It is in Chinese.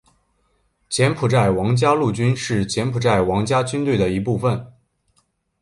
柬埔寨王家陆军是柬埔寨王家军队的一部分。